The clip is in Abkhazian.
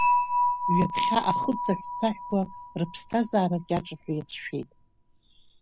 Ҩаԥхьа ахы цаҳәцаҳәқәа рыԥсҭазаара аркьаҿыр ҳәа иацәшәеит.